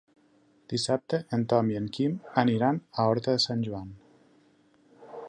Dissabte en Tom i en Quim aniran a Horta de Sant Joan.